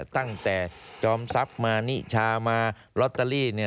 ตั้งแต่จอมทรัพย์มานิชามาลอตเตอรี่